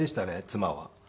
妻は。